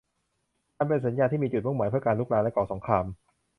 อันเป็นสัญญาที่มีจุดมุ่งหมายเพื่อการรุกรานและก่อสงคราม